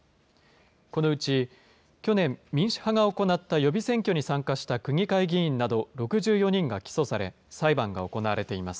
このうち去年、民主派が行った予備選挙に参加した区議会議員など６４人が起訴され、裁判が行われています。